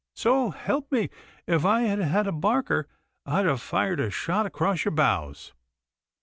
So help me, if I had had a barker I'd have fired a shot across your bows.